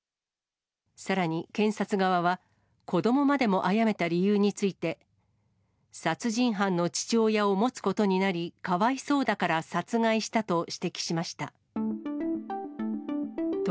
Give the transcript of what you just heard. さらに、検察側は子どもまでもあやめた理由について、殺人犯の父親を持つことになり、かわいそうだから殺害したと指摘しました。